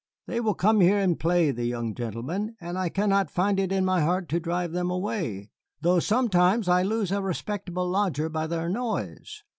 They will come here and play, the young gentlemen, and I cannot find it in my heart to drive them away, though sometimes I lose a respectable lodger by their noise.